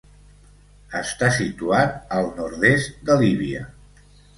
Està situat al nord-est de Líbia.